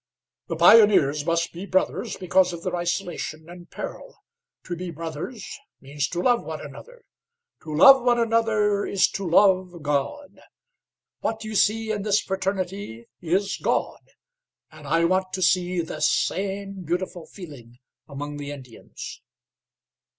"The pioneers must be brothers because of their isolation and peril; to be brothers means to love one another; to love one another is to love God. What you see in this fraternity is God. And I want to see this same beautiful feeling among the Indians."